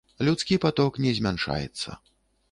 Людскі паток не змяншаецца.